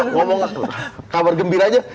ngomong kabar gembira aja